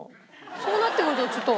そうなってくるとちょっと。